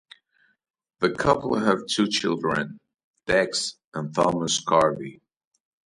The couple have two children, Dex and Thomas Carvey.